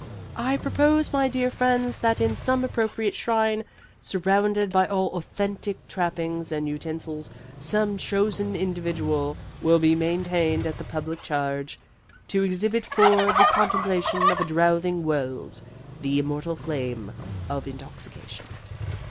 "I propose, my dear friends, that in some appropriate shrine, surrounded by all the authentic trappings and utensils, some chosen individual be maintained at the public charge, to exhibit for the contemplation of a drouthing world the immortal flame of intoxication.